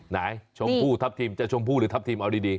ชมพู่ทัพทีมจะชมพู่หรือทัพทีมเอาดี